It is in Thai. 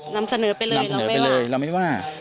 นำเสนอไปเลยเราไม่ว่า